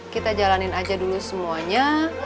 kita jalanin aja dulu semuanya